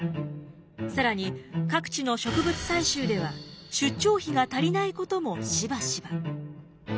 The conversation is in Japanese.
更に各地の植物採集では出張費が足りないこともしばしば。